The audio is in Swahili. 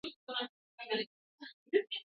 Pamoja na wewe.